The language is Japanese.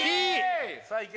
さあいけ